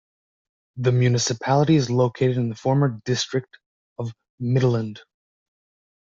The municipality is located in the former District of Mittelland.